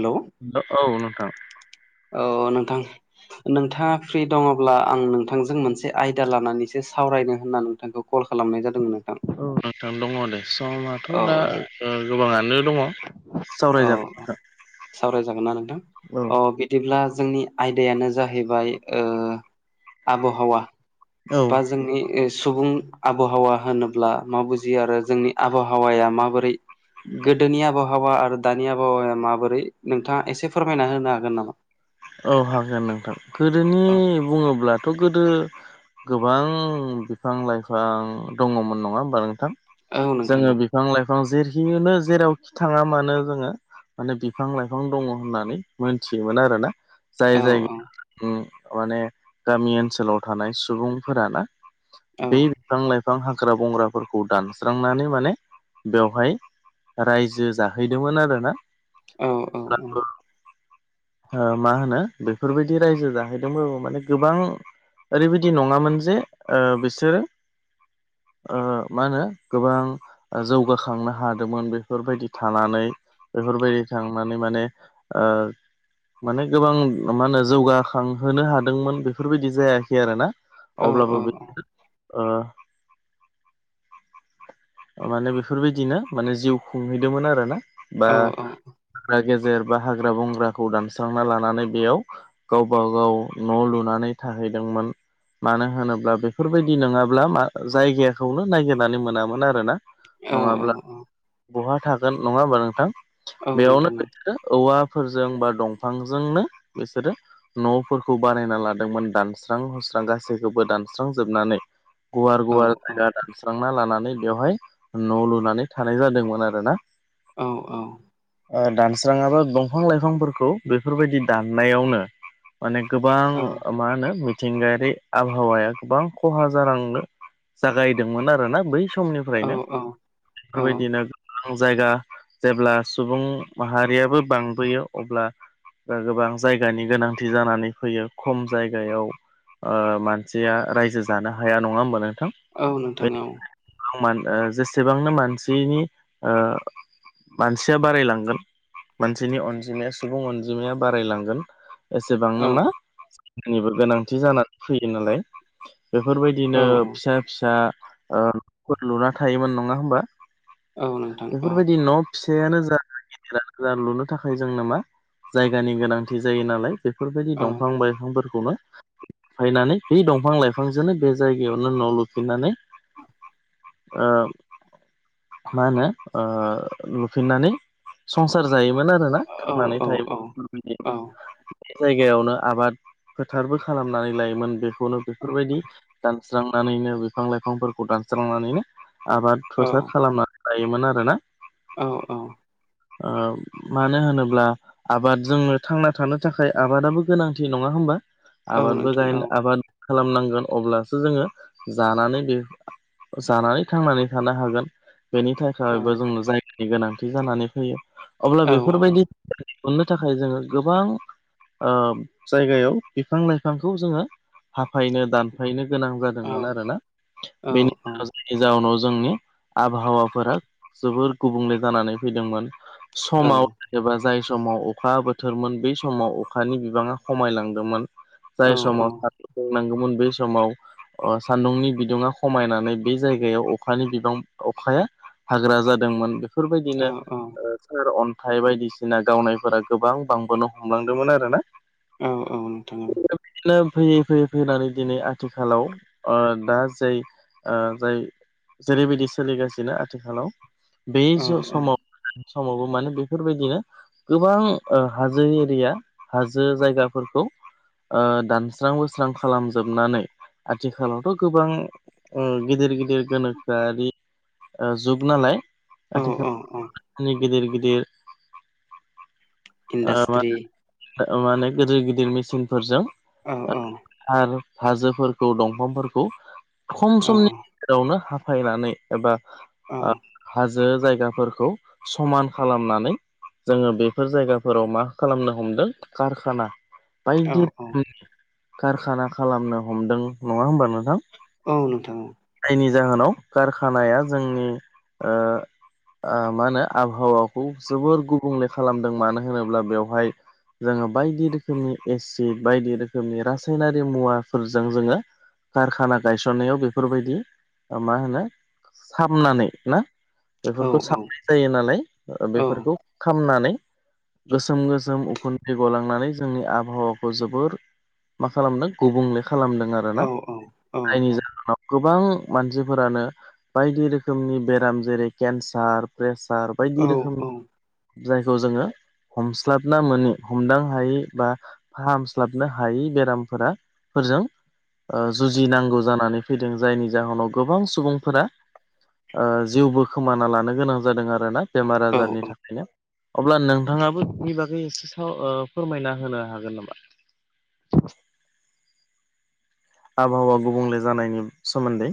Hello. ओ औ नोंथां। औ नोंथां। नोंथाङा फ्रि दङ'ब्ला आं नोंथांजों मोनसे आयदा लानानैसो सावरायनो होनना नोंथांखौ कल खालामनाय जादोंमोन नोंथां। औ नोंथां दङ दे समथ' औ दा ओ गोबाङानो दङ'। औ सावरायजागोन सावरायजागोनना नोंथां अ बिदिब्ला जोंनि आयदायानो जाहैबाय ओ आबहावा। औ। बा जोंनि सुबुं आबहावा होनोब्ला मा बुजियो आरो जोंनि आबहावाया माबोरै गोदोनि आबहावा आरो दानि आबहावाया माबोरै नोंथाङा एसे फोरमायना होनो हागोन नामा? औ हागोन नोंथां गोदोनि औ बुङोब्लाथ' गोदो गोबां बिफां लायफां दङ'मोन नङा होमबा नोंथां औ नोंथां जोङो औ बिफां लायफां जेरैखिनो जेरावखि थाङा मानो जोङो माने बिफां लायफां दङ' होननानै मोनथियोमोन आरोना। जाय औ जाय उम माने गामि ओनसोलाव थानाय सुबुंफोराना औ बे बिफां लायफां हाग्रा बंग्राफोरखौ दानस्रांनानै माने बेवहाय रायजो जाहैदोंमोन आरोना। औ औ औ। अब्लाबो ओ मा होनो बेफोरबायदि रायजो जाहैदोंबो माने गोबां ओरैबायदि नङामोन जे ओ बिसोरो ओ मा होनो गोबां जौगाखांनो हादोंमोन बेफोरबायदि थानानै बेफोरबायदि थांनानै माने। ओ। माने गोबां मा होनो जौगाखांहोनो हादोंमोन बेफोरबायदि जायाखै आरोना। अब्लाबो औ बे ओ माने बेफोरबायदिनो माने जिउ खुंहैदोंमोन आरोना। बा औ औ हाग्रा गेजेर बा हाग्रा बंग्राखौ दान स्रांना लानानै बेयाव गावबागाव न' लुनानै थाहैदोंमोन। मानो होनोब्ला बेफोरबायदि नोङाब्ला मा जायगाखौनो नायगिरनानै मोनामोन आरोना। औ नङाब्ला औ बहा थागोन नङा होम्बा नोंथां। औ बेयावनो नोंथां औ बिसोरो औवाफोरजों बा दंफांजोंनो बिसोरो नफोरखौ बानायना लादोंमोन दानस्रां हुस्रां गासैखौबो दानस्रांजोबनानै गुवार गुवार औ जायगा दानस्रांना लानानै बेवहाय न लुनानै थानाय जादोंमोन आरो ना औ औ ओ दानस्राङाबा दंफां लाइफांफोरखौ बेफोरबायदि दाननायावनो माने गोबां औ ओ मा होनो मिथिंगायारि आबहावाया गोबां खहा जालांनो जागायदोंमोन आरोना बै समनिफ्रायनो औ औ बेफोरबायदिनो ओं जायगा जेब्ला सुबुं माहारियाबो बांबोयो अब्ला ओ गोबां जायगानि गोनांथि जानानै फैयो खम जायगायाव ओ मानसिया रायजो जानो हाया नङा होमबा नोंथां। औ नोंथां औ। आवमोन ओ जेसेबांनो मानसिनि ओ मानसिया बारायलांगोन मानसिनि अनजिमाया सुबुं अनजि जिमाया बारायलांगोन औ एसेबांनो मा निफोरबो गोनांथि जानानै फैयो नालाय बेफोरबायदिनो औ फिसा फिसा ओ नफोर लुना थायोमोन नङा होमबा औ नोंथां औ बेफोरबायदि न फिसायानो जा गिरानो जा लुनो थाखाय जोंनो मा जायगानि गोनांथि जायो नालाय बेफोरबायदि औ दंफां बाइफांफोरखौनो फायनानै बे दंफां लाइफांजोंनो बे जायगायावनो न लुफिननानै ओ मा होनो ओ लुफिन्नानै संसार जायोमोन आरो ना औ थांनानै थायो औ [unintelligible] जायगायावनो आबाद फोथारबो खालामनानै लायोमोन बेखौनो बेफोरबायदि दानस्रांनानैनो बिफां लाइफांफोरखौ दानस्रांनानैनो आबाद फोथार खालामनानै लायोमोन आरोना औ औ ओ मानो होनोब्ला आबादजोंनो थांना थानो थाखाय आबादाबो गोनांथि नङा होमबा औ नोंथां औ आबादबो नोंथां औ गायनो आबाद खालामनांगोन अब्लासो जोङो जानानै बे जानानै थांनानै थानो हागोन बेनि थाय औ खाबो जोंनो जायगानि गोनांथि जानानै फैयो अब्ला औ औ बेफोरबायदि अननो थाखाय जोङो गोबां ओ जायगायाव बिफां लाइफांखौ जोङो हाफायनो दानफायनो गोनां जा दोनमोन आरो ना बेनि नि जाउनाव जोंनि आबहावाफोरा जोबोर गुबुंले जानानै फैदोंमोन। समाव एबा जाय समाव अखा बोथोरमोन बै समाव अखानि बिबाङा खमायलांदोंमोन। जाय समाव सान्दुं दुंनांगौमोन बे समाव अ सान्दुंनि बिदुङा खमायनानै बे जायगायाव अखानि बिबां अखाया हाग्रा जादोंमोन बेफोरबायदिनो ओ सार अन्थाइ बायदिसिना गावनायफोरा गोबां बांबोनो हमलांदोंमोन आरोना औ औ नोंथां औ बिदिनो फैयै फैयै फैनानै दिनै आथिखालाव ओ दा जाय ओ जाय जेरैबायदि सोलिगासिनो आथिखालाव बे ज समाव समावबो माने बेफोरबायदिनो गोबां ओ हाजो एरिया हाजो जायगाफोरखौ ओ दानस्रां हुस्रां खालामजोबनानै आथिखालावथ' गोबां ओ गिदिर गिदिर गोनोखोयारि ओ जुग नालाय औ औ आथिखालनि गिदिर गिदिर ओ इन्डास्ट्रि माने ओ माने गिदिर गिदिर मेसिनफोरजों औ औ आरो हाजोफोरखौ दंफांफोरखौ खम समनि रावनो हाफायनानै एबा औ आ हाज जो जायगाफोरखौ समान खालामनानै जोंङो बेफोर जायगाफोराव मा खालामनो हमदों कारखाना औ बायदि कारखाना खालामनो हमदों नंङा होमबा नोंथां औ नोंथां औ जायनि जाहोनाव कारखानाया जोंनि ओ आ माहोनो आबहावाखौ जोबोर गुबुंले खालामदों मानो होनोब्ला बेवहाय जोंङो बायदि रोखोमनि एसिड बायदि रोखोमनि रासायनारि मुवाफोरजों जोंङो कारखाना गायसननायाव बे बेफोरबायदि मा होनो सामनानै ना औ बेफोरखौ औ साब जायो नालाय बेफोरखौ औ खामनानै गोसोम गोसोम उखुन्दै गलांनानै जोंनि आबहावाखौ जोबोर मा खालामदों गुबुंले खालामदों आरोना औ औ जायनि औ जा गोबां मानसिफोरानो बायदि रोखोमनि बेराम जेरै केन्सार, प्रेसार औ बायदि रोखोम जायखौ जोंङो हमस्लाबना मोनि हमदां हायै बा फाहामस्लाबनो हायि बेरामफोरा फोरजों जुजिनांगौ जानानै फैदों जायनि जाहोनाव गोबां सुबुंफोरा जिउबो खोमाना लानो गोनां जादों आरो आरोना बेमार औ आजारनि थाखायनो अब्ला नोंथांङाबो बिनि बागै एसे स ओ फोरमायना होनो हागोन नामा [inaudible] आबहावा गुबुंले जानायनि सोमोन्दै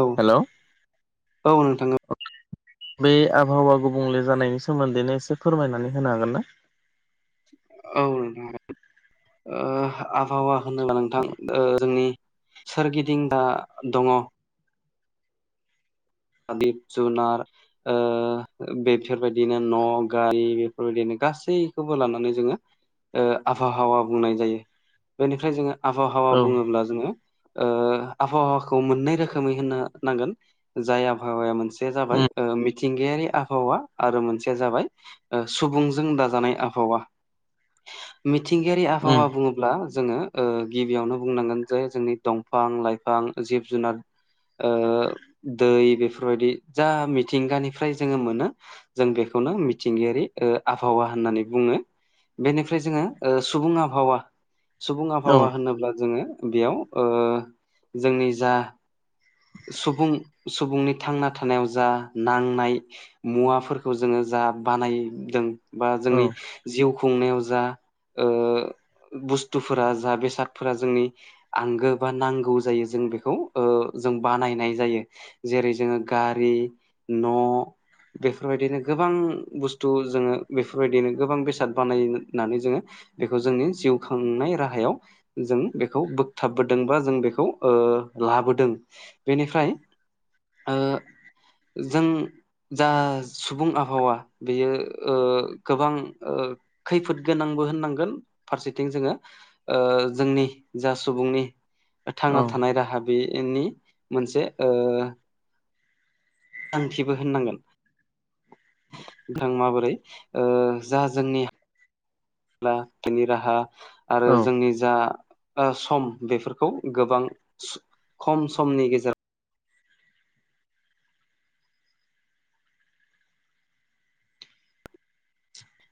औ हेल' औ नोंथां औ बे आबहावा गुबुंले जानायनि सोमोन्दैनो एसे फोरमायनानै होनो हागोनना? औ नोंथां ओ आबाहावा होनोब्ला नोंथां ओ जोंनि सोरगिदिं दा दंङ बायदि जुनार ओ बेफोरबायदिनो न', गारि बेफोरबायदिनो गासैखौबो लानानै जोंङो ओ आबाहावा बुंनाय जायो बेनिफ्राय जोंङो आबहावा औ बुंङोब्ला जोंङो ओ आबहावाखौ मोननै रोखोमै होननो नांगोन जाय आबहावाया मोनसे जाबाय उम ओ मिथिं गायारि आबहावा आरो मोनसेया जाबाय ओ सुबुंजों दाजानाय आबहावा [inaudible] मिथिंगायारि उम आबाहावा बुंङोब्ला जोंङो ओ गिबियावनो बुंनांगोन जे जोंनि दंफां लाइफां जिब जुनार ओ दै बेफोरबायदि जा मिथिंगानिफ्राय जोंङो मोनो जों बेखौनो मिथिंगायारि ओ आबाहावा होननानै बुंङो बेनिफ्राय जोंङो ओ सुबुं आबाहावा सुबुं औ आबहावा होनोब्ला जोंङो बेयाव जोंनि जा सुबुं सुबुंनि थांना थानायाव जा नांनाय मुवाफोरखौ जोंङो जा बानायदों बा जोंनि जिउ खुंनायाव जा बुस्थुफोरा जा बेसादफोरा जोंनि आंगो बा नांगौ जायो जों बेखौ जों बानायनाय जायो जेरै जोंङो गारि न' बेफोरबायदिनो गोबां बुस्थु जोंङो बेफोरबायदिनो गोबां बेसाद बानायनानै जोंङो बेखौ जोंनि जिउ खांनाय राहायाव जों बेखौ बोगथाबबोदों बा जों बेखौ लाबोदों बेनिफ्राय जों जा सुबुं आबाहावा बेयो गोबां खैफोद गोनांबो होननांगोन फारसेथिं जोङो ओ जोंनि जा सुबुंनि औ थांना थानाय राहा बेनि मोनसे [unintelligible] होननांगोन [unintelligible] माबोरै जा जोंनि [unintelligible] बिनि राहा आरो औ जोंनि जा सम बेफोरखौ गोबां खम समनि गेजेराव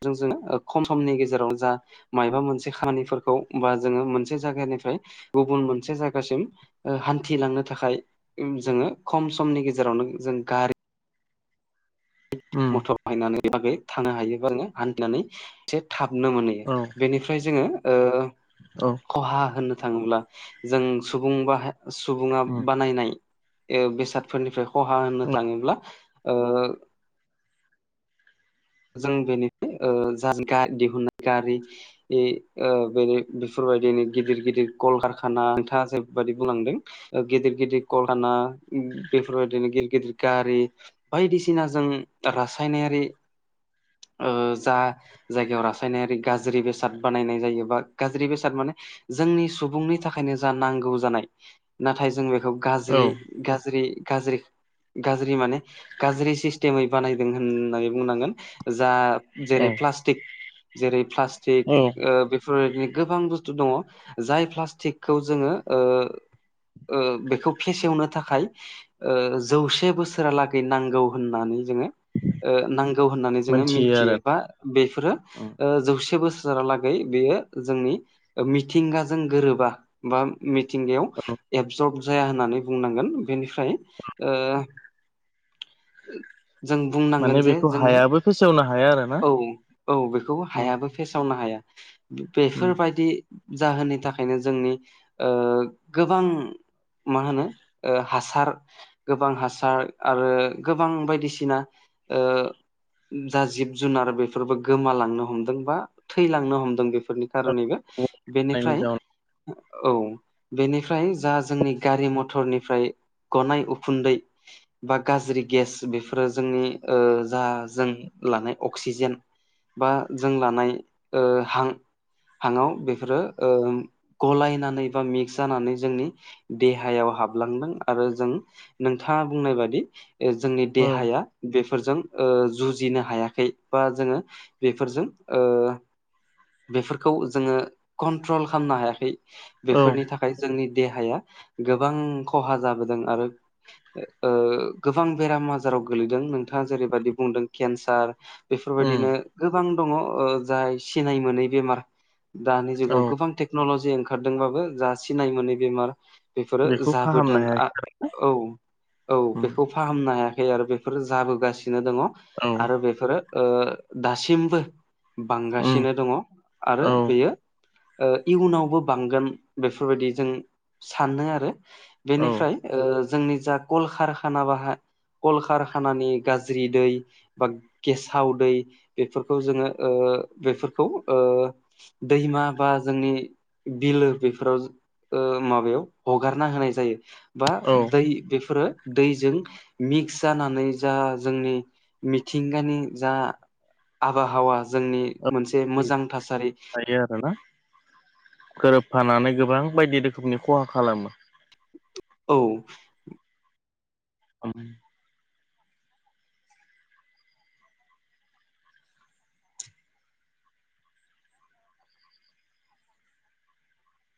जों जोङो खम समनि गेजेराव जा मायबा मोनसे खानिफोरखौ बा जोङो मोनसे जायगानिफ्राय गुबुन मोनसे जायगासिम हान्थिलांनो थाखाय जोङो खम समनि गेजेरावनो जों गारि उम मथर बायनानै बागै थानो हायो बा जोङो हान्थिनानै एसे थाबनो मोनहैयो बेनिफ्राय जोङो अ खहा होननो थाङोब्ला जों सुबुं [unintelligible] सुबुङा उम बानायनाय बेसादफोरनिफ्राय खहा होननो थाङोब्ला जों बेनिफ्राय [unintelligible] दिहुननाय गारि बे [unintelligible] बेफोरबायदिनो गिदिर गिदिर कलकारखाना नोंथाङा [unintelligible] बुंलांदों गिदिर गिदिर कलखाना बेफोरबायदिनो गिदिर गिदिर गारि बायदिसिना जों रासायनारि जा जायगायाव रासायनारि गाज्रि बेसाद बानायनाय जायो बा गाज्रि बेसाद माने जोंनि सुबुंनि थाखायनो जा नांगौ जानाय नाथाय जों बेखौ औ गाज्रि गाज्रि गाज्रि गाज्रि माने गाज्रि सिस्टेमै बानायदों होननानै बुंनांगोन जा जेरै प्लास्टिक जेरै प्लास्टिक औ [unintelligible] गोबां बुस्थु दङ जाय प्लास्टिकखौ जोङो ओ ओ बेखौ फेसेवनो थाखाय जौसे बोसोरालागै नांगौ होननानै जोङो ओ नांगौ होननानै जोङो मोनथियो मिथियो आरो बा बेफोरो उम ओ जौसे बोसोर [unintelligible] बेयो जोंनि मिथिंगाजों गोरोबा बा औ मिथिंगायाव [unintelligible] जाया होननानै बुंनांगोन बेनिफ्राय ओ जों बुंनांगोन जे जोंनि फोसावना [unintelligible] औ औ बेखौ हायाबो फेसावनो हाया उम बेफोरबायदि जाहोननि थाखायनो जोंनि ओ गोबां मा होनो ओ हासार गोबां हासार आरो गोबां बायदिसिना जा जिब जुनार बेफोरबो गोमालांनो हमदों बा थैलांनो हमदों बेफोरनि खारैबो बेनिफ्राय जाउनाव औ बेनिफ्राय जा जोंनि गारि मथरनिफ्राय गनाय उखुन्दै बा गाज्रि गेस बेफोरो जोंनि ओ जा जों लानाय अक्सिजेन बा जों लानाय ओ हां हांआव बेफोरो ओम गलायनानै बा मिक्स जानानै जोंनि देहायाव हाबलांदों आरो जों नोंथाङा बुंनाय बादि जोंनि औ देहाया बेफोरजों ओ जुजिनो हायाखै बा जोङो बेफोरजों ओ बेफोरखौ जोङो कन्ट्रल खालामनो हायाखै औ बेफोरनि थाखाय थाखाय जोंनि देहाया गोबां खहा जाबोदों आरो ओ गोबां बेराम आजाराव गोलैदों नोंथाङा जेरैबायदि बुंदों केन्सार उम बेफोरबायदिनो गोबां दङ जाय सिनाय मोनै बेमार दानि औ जुगाव गोबां टेक्न'ल'जि ओंखारदोंबाबो जा सिनाय मोनै बेमार बेफोरो बेखौ फाहामनो जाबोदों आ हायाखै औ औ उम बेखौ फाहामनो हायाखै आरो बेफोरो जाबोगासिनो दङ औ आरो बेफोरो ओ दासिमबो उम बांगासिनो दङ आरो औ बेयो ओ इयुनावबो बांगोन बेफोरबादि जों सानदो आरो औ बेनिफ्राय ओ जोंनि जा कल खारखाना बाहा कल खारखानानि गाज्रि दै बा गेसाव दै बेफोरखौ जोङो ओ बेफोरखौ ओ दैमा बा जोंनि बिलो बेफोराव ओ माबायाव हगारना होनाय जायो बा दै बेफोरो दैजों मिक्स जानानै जा जोंनि मिथिंगानि जा आबाहावा जोंनि मोनसे उम मोजां थासारि जायो आरो ना गोरोबफानानै गोबां बायदि रोखोमनि खहा खालामो। औ उम